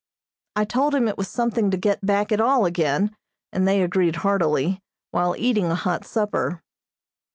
I told them it was something to get back at all again, and they agreed heartily, while eating a hot supper.